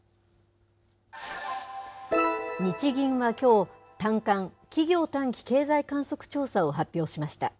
日銀はきょう、短観・企業短期経済観測調査を発表しました。